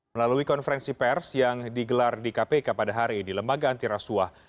melalui konferensi pers yang digelar di kpk pada hari di lembaga antirasuah